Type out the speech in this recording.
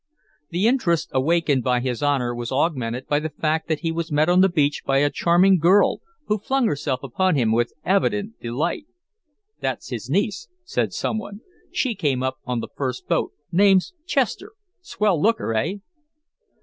The interest awakened by His Honor was augmented by the fact that he was met on the beach by a charming girl, who flung herself upon him with evident delight. "That's his niece," said some one. "She came up on the first boat name's Chester swell looker, eh?"